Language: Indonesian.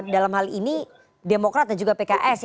dalam hal ini demokrat dan juga pks